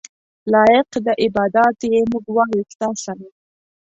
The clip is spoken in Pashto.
لایق د عباداتو یې موږ وایو ستا ثناء.